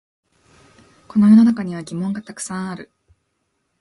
この世の中には疑問がたくさんある